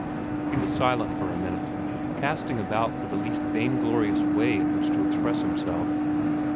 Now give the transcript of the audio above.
He was silent for a minute, casting about for the least vainglorious way in which to express himself.